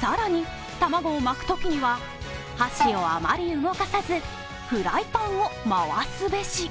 更に、卵を巻くときには、箸をあまり動かさずフライパンを回すべし。